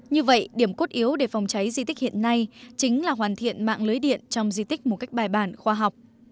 như vậy điểm cốt yếu để phòng cháy di tích hiện nay chính là hoàn thiện mạng lưới điện trong di tích một cách bài bản khoa học